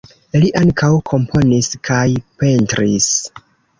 Li ankaŭ komponis kaj pentris.